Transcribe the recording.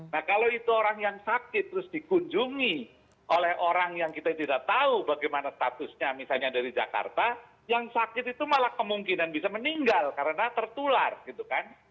nah kalau itu orang yang sakit terus dikunjungi oleh orang yang kita tidak tahu bagaimana statusnya misalnya dari jakarta yang sakit itu malah kemungkinan bisa meninggal karena tertular gitu kan